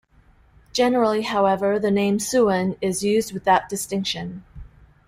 Generally, however, the name "Siouan" is used without distinction.